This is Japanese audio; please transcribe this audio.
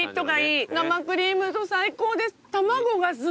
生クリームが最高です。